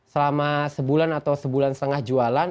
selama sebulan atau sebulan setengah jualan